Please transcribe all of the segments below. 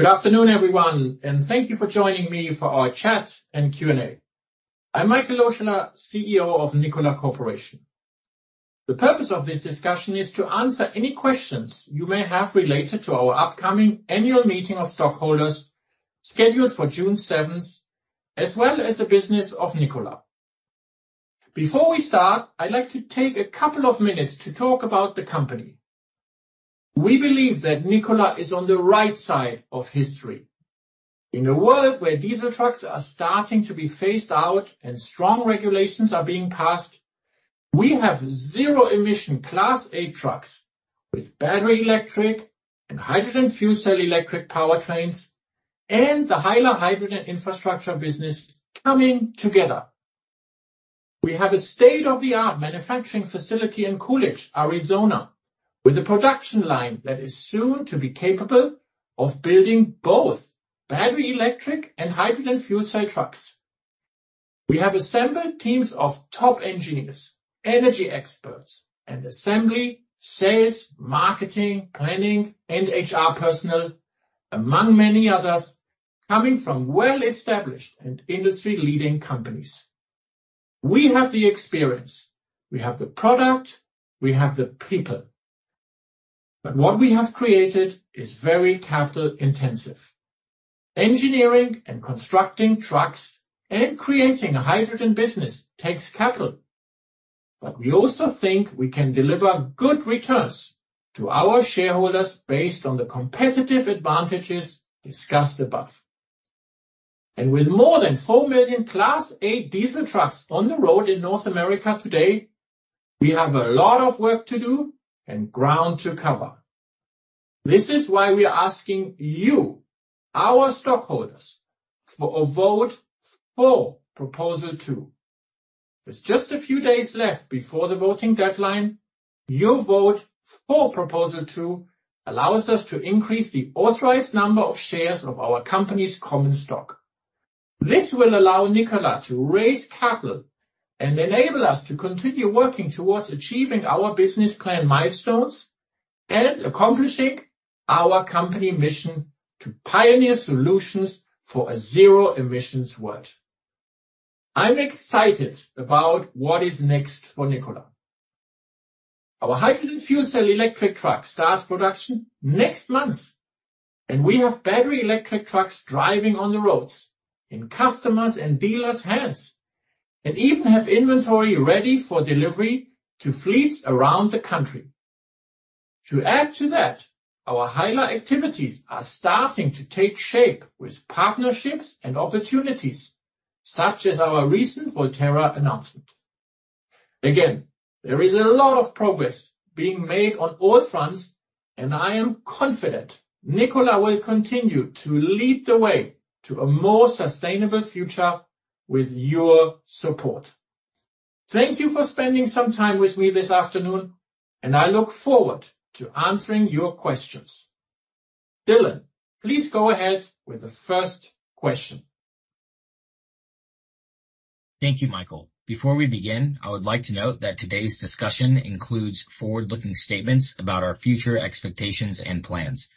Good afternoon, everyone, thank you for joining me for our chat and Q&A. I'm Michael Lohscheller, CEO of Nikola Corporation. The purpose of this discussion is to answer any questions you may have related to our upcoming annual meeting of stockholders, scheduled for June 7th, as well as the business of Nikola. Before we start, I'd like to take a couple of minutes to talk about the company. We believe that Nikola is on the right side of history. In a world where diesel trucks are starting to be phased out and strong regulations are being passed, we have zero emission Class 8 Trucks with battery-electric, and hydrogen fuel cell electric powertrains, and the HYLA hydrogen infrastructure business coming together. We have a state-of-the-art manufacturing facility in Coolidge, Arizona, with a production line that is soon to be capable of building both battery-electric, and hydrogen fuel cell trucks. We have assembled teams of top engineers, energy experts, and assembly, sales, marketing, planning, and HR personnel, among many others, coming from well-established and industry-leading companies. We have the experience, we have the product, we have the people. What we have created is very capital-intensive. Engineering and constructing trucks and creating a hydrogen business takes capital. We also think we can deliver good returns to our shareholders based on the competitive advantages discussed above. With more than 4 million Class 8 diesel trucks on the road in North America today, we have a lot of work to do and ground to cover. This is why we are asking you, our stockholders, for a vote for Proposal 2. With just a few days left before the voting deadline, your vote for Proposal 2 allows us to increase the authorized number of shares of our company's common stock. This will allow Nikola to raise capital and enable us to continue working towards achieving our business plan milestones and accomplishing our company mission to pioneer solutions for a zero-emissions world. I'm excited about what is next for Nikola. Our hydrogen fuel cell electric truck starts production next month, and we have battery-electric trucks driving on the roads in customers and dealers' hands, and even have inventory ready for delivery to fleets around the country. To add to that, our HYLA activities are starting to take shape with partnerships and opportunities, such as our recent Voltera announcement. Again, there is a lot of progress being made on all fronts, and I am confident Nikola will continue to lead the way to a more sustainable future with your support. Thank you for spending some time with me this afternoon, and I look forward to answering your questions. Dylan, please go ahead with the first question. Thank you, Michael. Before we begin, I would like to note that today's discussion includes forward-looking statements about our future expectations and plans.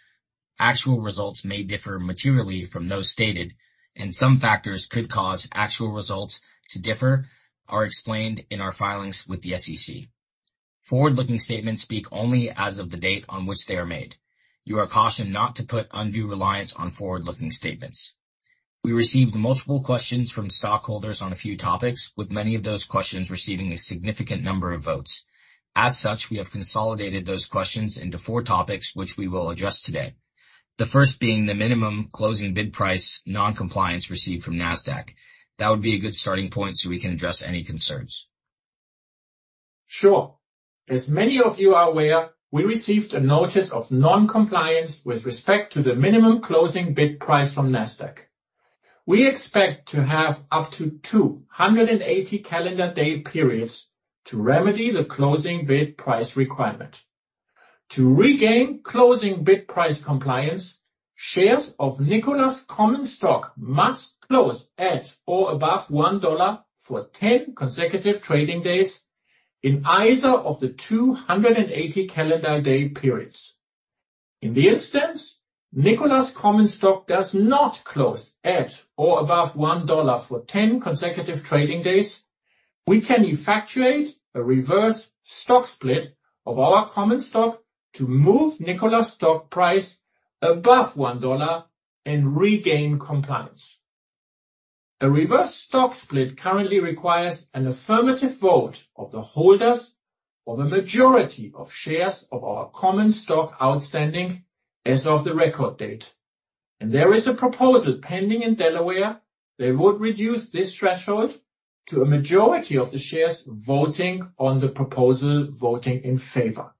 Actual results may differ materially from those stated, and some factors could cause actual results to differ, are explained in our filings with the SEC. Forward-looking statements speak only as of the date on which they are made. You are cautioned not to put undue reliance on forward-looking statements. We received multiple questions from stockholders on a few topics, with many of those questions receiving a significant number of votes. As such, we have consolidated those questions into four topics, which we will address today. The first being the minimum closing bid price non-compliance received from Nasdaq. That would be a good starting point, so we can address any concerns. Sure. As many of you are aware, we received a notice of non-compliance with respect to the minimum closing bid price from Nasdaq. We expect to have up to 280 calendar day periods to remedy the closing bid price requirement. To regain closing bid price compliance, shares of Nikola's common stock must close at or above $1 for 10 consecutive trading days in either of the 280 calendar day periods. In the instance, Nikola's common stock does not close at or above $1 for 10 consecutive trading days, we can effectuate a reverse stock split of our common stock to move Nikola's stock price above $1 and regain compliance. A reverse stock split currently requires an affirmative vote of the holders of a majority of shares of our common stock outstanding as of the record date, and there is a proposal pending in Delaware that would reduce this threshold to a majority of the shares voting on the proposal, voting in favor.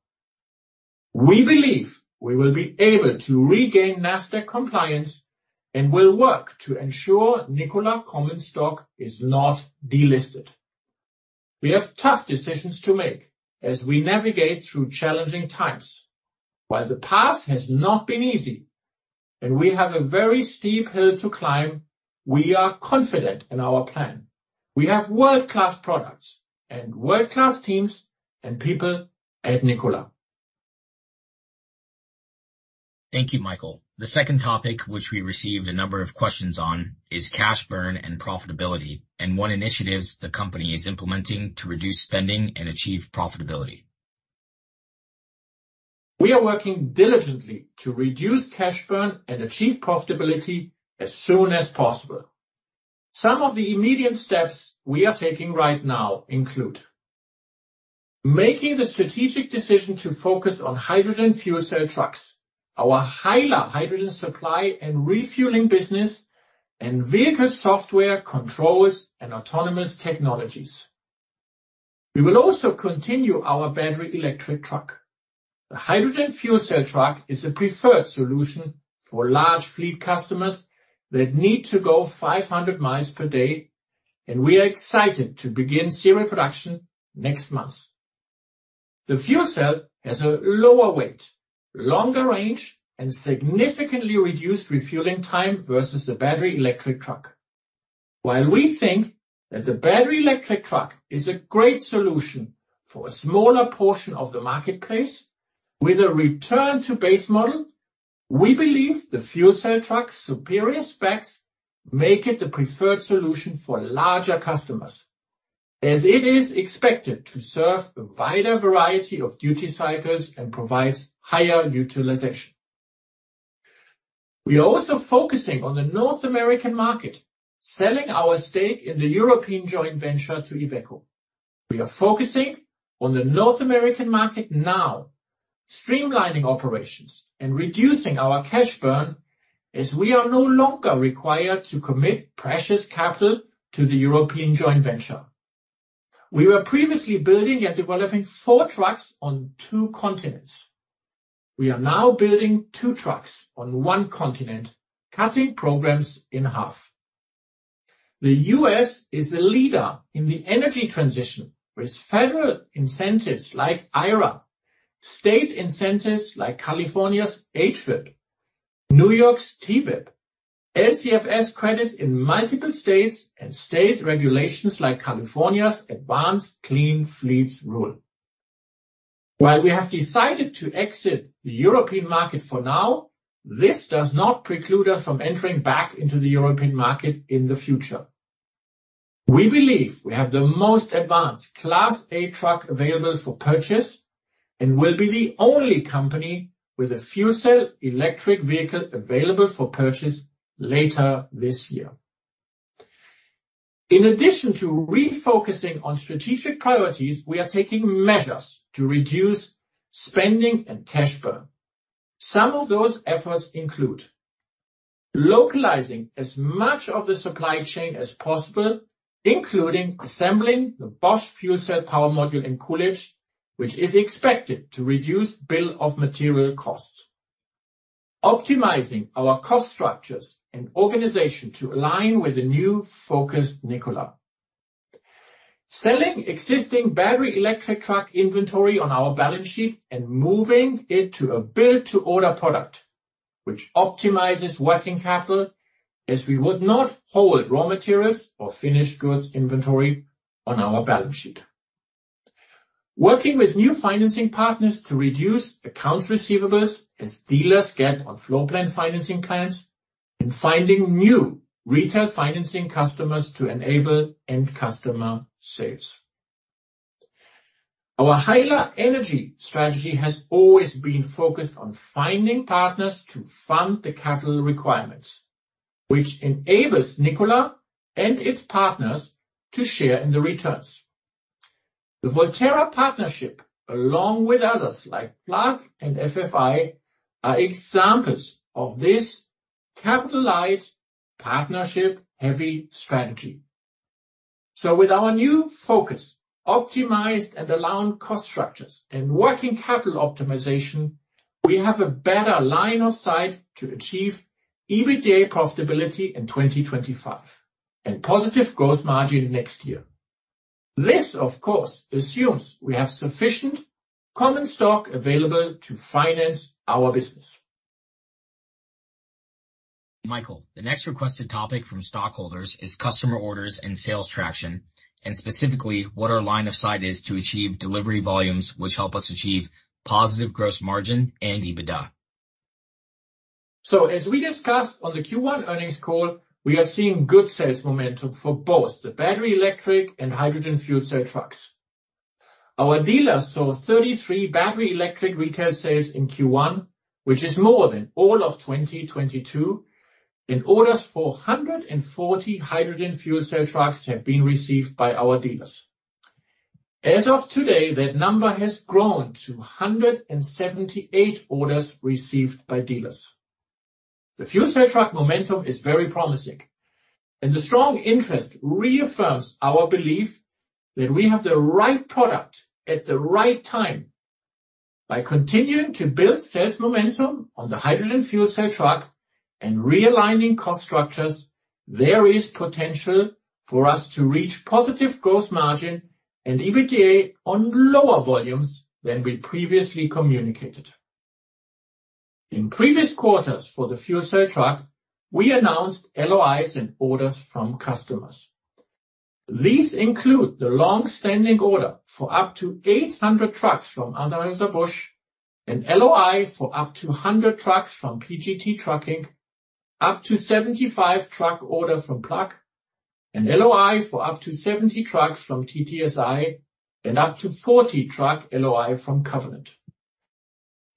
We believe we will be able to regain Nasdaq compliance and will work to ensure Nikola common stock is not delisted. We have tough decisions to make as we navigate through challenging times. While the past has not been easy and we have a very steep hill to climb, we are confident in our plan. We have world-class products and world-class teams and people at Nikola. Thank you, Michael. The second topic, which we received a number of questions on, is cash burn and profitability, and what initiatives the company is implementing to reduce spending and achieve profitability. We are working diligently to reduce cash burn and achieve profitability as soon as possible. Some of the immediate steps we are taking right now include: making the strategic decision to focus on hydrogen fuel cell trucks, our HYLA hydrogen supply and refueling business, and vehicle software, controls, and autonomous technologies. We will also continue our battery-electric truck. The hydrogen fuel cell truck is a preferred solution for large fleet customers that need to go 500 mi per day. We are excited to begin serial production next month. The fuel cell has a lower weight, longer range, and significantly reduced refueling time versus the battery-electric truck. While we think that the battery-electric truck is a great solution for a smaller portion of the marketplace, with a return to base model, we believe the fuel cell truck's superior specs make it the preferred solution for larger customers, as it is expected to serve a wider variety of duty cycles and provides higher utilization. We are also focusing on the North American market, selling our stake in the European joint venture to Iveco. We are focusing on the North American market now, streamlining operations and reducing our cash burn, as we are no longer required to commit precious capital to the European joint venture. We were previously building and developing four trucks on two continents. We are now building two trucks on one continent, cutting programs in half. The U.S. is the leader in the energy transition, with federal incentives like IRA, state incentives like California's HVIP, New York's NYTVIP, LCFS credits in multiple states, and state regulations like California's Advanced Clean Fleets rule. While we have decided to exit the European market for now, this does not preclude us from entering back into the European market in the future. We believe we have the most advanced Class 8 truck available for purchase and will be the only company with a fuel cell electric vehicle available for purchase later this year. In addition to refocusing on strategic priorities, we are taking measures to reduce spending and cash burn. Some of those efforts include localizing as much of the supply chain as possible, including assembling the Bosch fuel cell power module in Coolidge, which is expected to reduce bill of material costs. Optimizing our cost structures and organization to align with the new focused Nikola. Selling existing battery-electric truck inventory on our balance sheet and moving it to a build-to-order product, which optimizes working capital, as we would not hold raw materials or finished goods inventory on our balance sheet. Working with new financing partners to reduce accounts receivables as dealers get on floor plan financing plans, and finding new retail financing customers to enable end customer sales. Our HYLA energy strategy has always been focused on finding partners to fund the capital requirements, which enables Nikola and its partners to share in the returns. The Voltera partnership, along with others like Plug and FFI, are examples of this capitalized, partnership-heavy strategy. With our new focus, optimized and aligned cost structures and working capital optimization, we have a better line of sight to achieve EBITDA profitability in 2025 and positive gross margin next year. This, of course, assumes we have sufficient common stock available to finance our business. Michael, the next requested topic from stockholders is customer orders and sales traction, and specifically, what our line of sight is to achieve delivery volumes, which help us achieve positive gross margin and EBITDA. As we discussed on the Q1 earnings call, we are seeing good sales momentum for both the battery-electric and hydrogen fuel cell trucks. Our dealers saw 33 battery-electric retail sales in Q1, which is more than all of 2022, and orders for 140 hydrogen fuel cell trucks have been received by our dealers. As of today, that number has grown to 178 orders received by dealers. The fuel cell truck momentum is very promising, and the strong interest reaffirms our belief that we have the right product at the right time. By continuing to build sales momentum on the hydrogen fuel cell truck and realigning cost structures, there is potential for us to reach positive growth margin and EBITDA on lower volumes than we previously communicated. In previous quarters for the fuel cell truck, we announced LOIs and orders from customers. These include the long-standing order for up to 800 trucks from Anheuser-Busch, an LOI for up to 100 trucks from PGT Trucking, up to 75 truck order from Plug, an LOI for up to 70 trucks from TTSI, and up to 40 truck LOI from Covenant.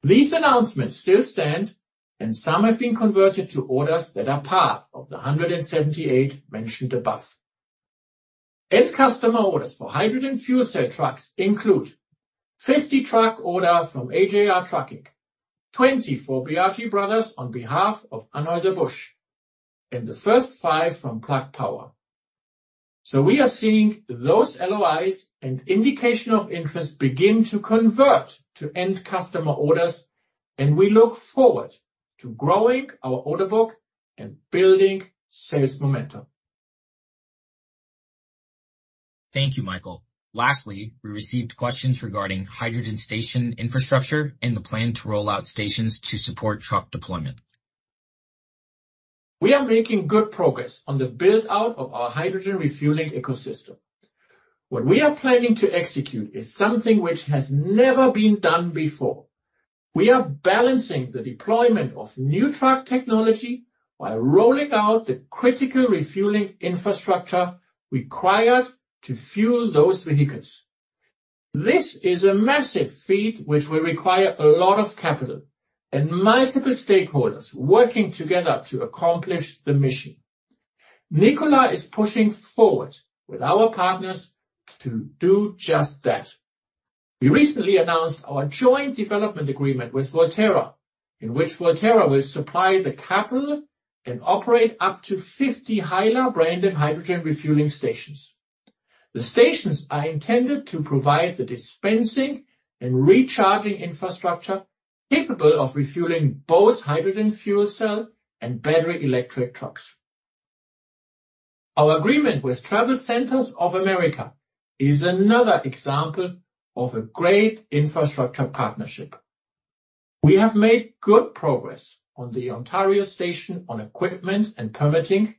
These announcements still stand, and some have been converted to orders that are part of the 178 mentioned above. End customer orders for hydrogen fuel cell trucks include: 50 truck orders from AJR Trucking, 20 for Biagi Brothers on behalf of Anheuser-Busch, and the first 5 from Plug Power. We are seeing those LOIs and indication of interest begin to convert to end customer orders, and we look forward to growing our order book and building sales momentum. Thank you, Michael. Lastly, we received questions regarding hydrogen station infrastructure and the plan to roll out stations to support truck deployment. We are making good progress on the build-out of our hydrogen refueling ecosystem. What we are planning to execute is something which has never been done before. We are balancing the deployment of new truck technology while rolling out the critical refueling infrastructure required to fuel those vehicles. This is a massive feat which will require a lot of capital and multiple stakeholders working together to accomplish the mission. Nikola is pushing forward with our partners to do just that. We recently announced our joint development agreement with Voltera, in which Voltera will supply the capital and operate up to 50 HYLA branded hydrogen refueling stations. The stations are intended to provide the dispensing and recharging infrastructure capable of refueling both hydrogen, fuel cell, and battery-electric trucks. Our agreement with Travel Centers of America is another example of a great infrastructure partnership. We have made good progress on the Ontario station on equipment and permitting,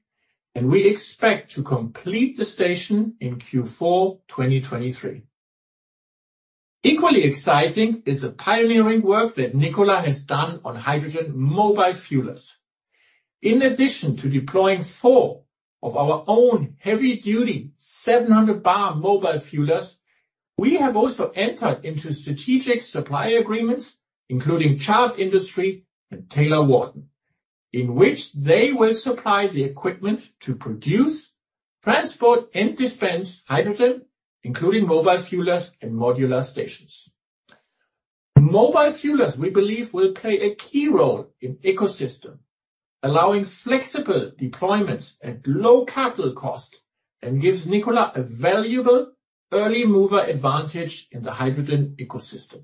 and we expect to complete the station in Q4 2023. Equally exciting is the pioneering work that Nikola has done on hydrogen mobile fuelers. In addition to deploying four of our own heavy-duty, 700 bar mobile fuelers, we have also entered into strategic supply agreements, including Chart Industries and Taylor-Wharton, in which they will supply the equipment to produce, transport, and dispense hydrogen, including mobile fuelers and modular stations. Mobile fuelers, we believe, will play a key role in ecosystem, allowing flexible deployments at low capital cost, and gives Nikola a valuable early mover advantage in the hydrogen ecosystem.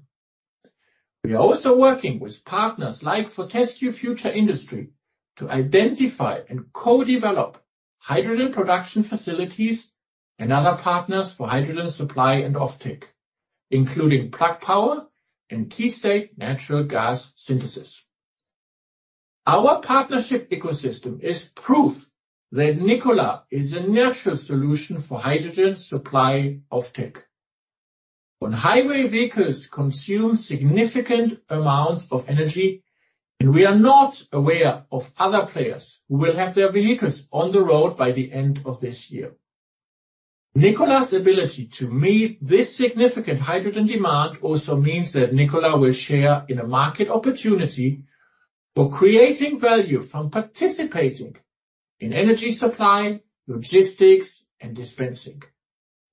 We are also working with partners like Fortescue Future Industries to identify and co-develop hydrogen production facilities and other partners for hydrogen supply and offtake, including Plug Power and KeyState Natural Gas Synthesis. Our partnership ecosystem is proof that Nikola is a natural solution for hydrogen supply offtake. On-highway vehicles consume significant amounts of energy, and we are not aware of other players who will have their vehicles on the road by the end of this year. Nikola's ability to meet this significant hydrogen demand also means that Nikola will share in a market opportunity for creating value from participating in energy supply, logistics, and dispensing,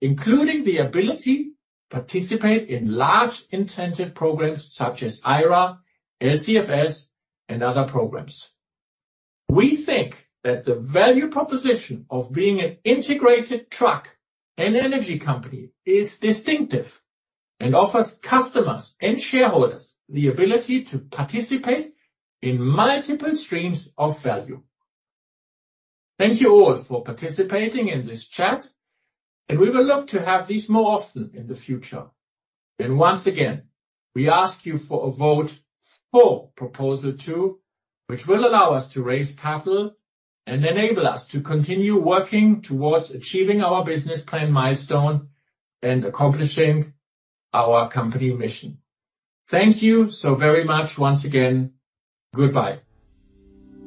including the ability to participate in large intensive programs such as IRA, LCFS, and other programs. We think that the value proposition of being an integrated truck and energy company is distinctive and offers customers and shareholders the ability to participate in multiple streams of value. Thank you all for participating in this chat, and we will look to have these more often in the future. Once again, we ask you for a vote for Proposal 2, which will allow us to raise capital and enable us to continue working towards achieving our business plan milestone and accomplishing our company mission. Thank you so very much once again. Goodbye.